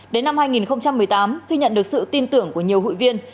đến năm hai nghìn một mươi tám khi nhận được sự tin tưởng của nhiều hội viên